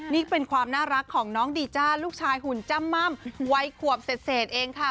นี่เป็นความน่ารักของน้องดีจ้าลูกชายหุ่นจ้ำม่ำวัยขวบเศษเองค่ะ